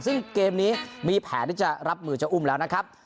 ซึ่งเกมนี้มีแผนที่จะรับมือเจ้าอุ้มแล้วนะครับ